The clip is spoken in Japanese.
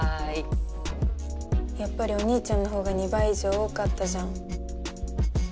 やっぱりお兄ちゃんのほうが２倍以上多かったじゃん。